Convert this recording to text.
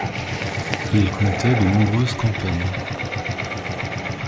Il comptait de nombreuses campagnes.